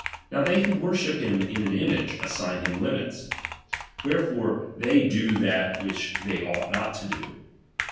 Now they who worship him in on image, aBsign him limits. Whererorc they do that which they ought not to do.